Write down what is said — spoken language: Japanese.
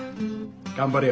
頑張れよ。